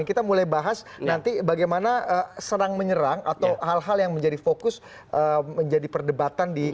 kita mulai bahas nanti bagaimana serang menyerang atau hal hal yang menjadi fokus menjadi perdebatan di